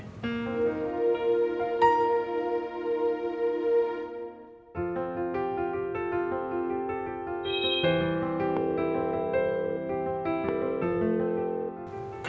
aku coba tanya rifki deh